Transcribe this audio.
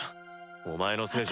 お前のせいじゃ。